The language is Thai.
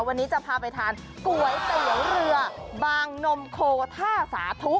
วันนี้จะพาไปทานก๋วยเตี๋ยวเรือบางนมโคท่าสาธุ